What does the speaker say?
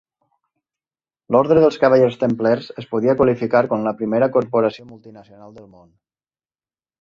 L'Ordre dels Cavallers Templers es podia qualificar com la primera corporació multinacional del món.